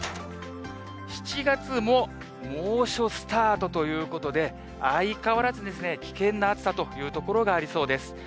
７月も猛暑スタートということで、相変わらず危険な暑さという所がありそうです。